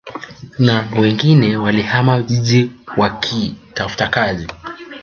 Na wengine walihamia jijini wakitafuta kazi